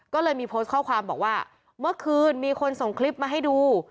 ก็เลยมีโพสต์ข้อความบอกว่าเมื่อคืนมีคนส่งคลิปมาให้ดู